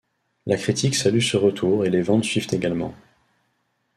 La critique salue ce retour et les ventes suivent également.